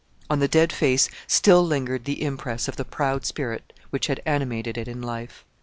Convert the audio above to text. On the dead face still lingered the impress of the proud spirit which had animated it in life.